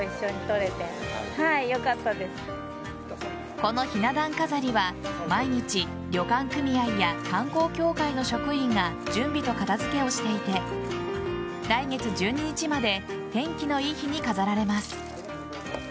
このひな壇飾りは毎日、旅館組合や観光協会の職員が準備と片付けをしていて来月１２日まで天気の良い日に飾られます。